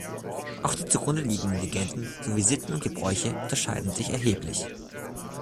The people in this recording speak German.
Auch die zugrunde liegenden Legenden sowie Sitten und Gebräuche unterscheiden sich erheblich.